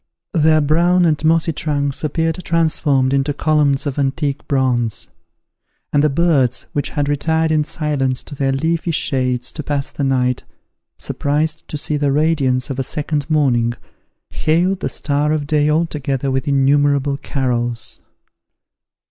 Their brown and mossy trunks appeared transformed into columns of antique bronze; and the birds, which had retired in silence to their leafy shades to pass the night, surprised to see the radiance of a second morning, hailed the star of day all together with innumerable carols.